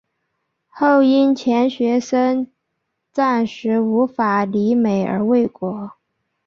后因钱学森暂时无法离美而未果。